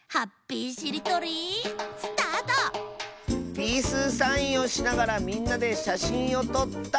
「ピースサインをしながらみんなでしゃしんをとった！」。